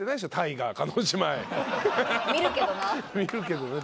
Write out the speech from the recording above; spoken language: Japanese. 見るけどね。